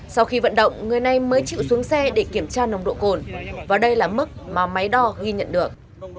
sau khi vận động người này mới chịu xuống xe để kiểm tra nồng độ cồn và đây là mức mà máy đo ghi nhận được